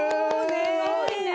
すごいね。